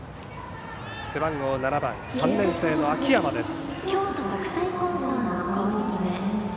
背番号７番、３年生の秋山です。